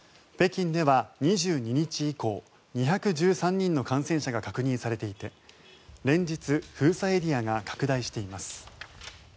北京では、２２日以降２１３人の感染者が確認されていて連日封鎖エリアが拡大しています。